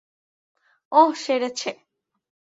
ওহ, সেরেছে।